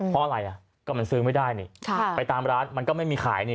เพราะอะไรอ่ะก็มันซื้อไม่ได้นี่ไปตามร้านมันก็ไม่มีขายนี่